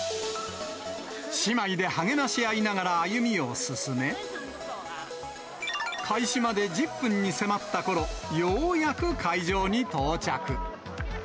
姉妹で励まし合いながら、歩みを進め、開始まで１０分に迫ったころ、ようやく会場に到着。